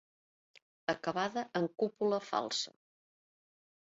Acabada en cúpula falsa.